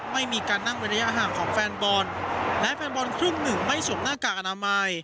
ไม่มีการนั่งเว้นระยะห่างของแฟนบอลและแฟนบอลครึ่งหนึ่งไม่สวมหน้ากากอนามัย